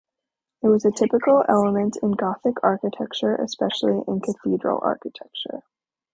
It was a typical element in Gothic Architecture especially in cathedral architecture.